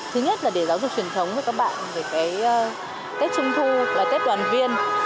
thứ nhất là để giáo dục truyền thống với các bạn về tết trung thu là tết đoàn viên